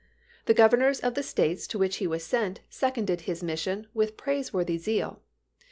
The Governors of the States to which he was sent seconded his mission with praiseworthy zeal.